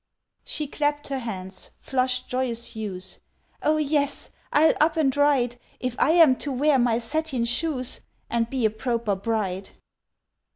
She clapped her hands, flushed joyous hues; "O yes—I'll up and ride If I am to wear my satin shoes And be a proper bride!"